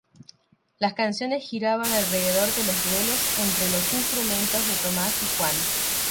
Las canciones giraban alrededor de los duelos entre los instrumentos de Tomás y Juan.